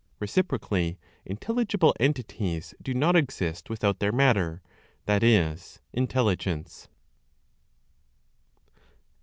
Reciprocally, intelligible entities do not exist without their matter (that is, Intelligence).